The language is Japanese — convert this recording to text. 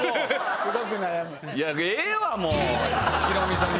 すごく悩む。